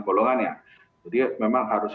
golongannya jadi memang harus